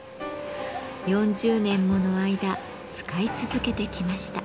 ４０年もの間使い続けてきました。